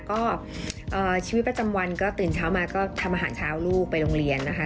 ก็ชีวิตประจำวันก็ตื่นเช้ามาก็ทำอาหารเช้าลูกไปโรงเรียนนะคะ